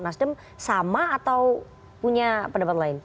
nasdem sama atau punya pendapat lain